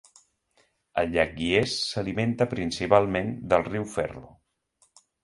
El llac Guiers s'alimenta principalment del riu Ferlo.